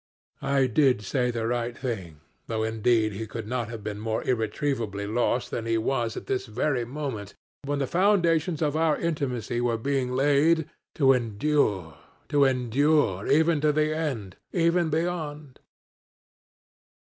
I did say the right thing, though indeed he could not have been more irretrievably lost than he was at this very moment, when the foundations of our intimacy were being laid to endure to endure even to the end even beyond.